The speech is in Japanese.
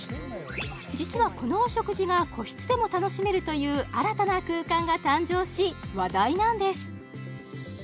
実はこのお食事が個室でも楽しめるという新たな空間が誕生し話題なんです